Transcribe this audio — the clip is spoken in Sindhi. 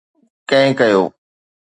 ڪنهن ڪيو